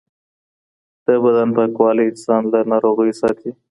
د بدن پاکوالی انسان له ناروغیو ساتي.